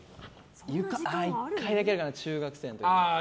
１回だけあるかな中学生の時に。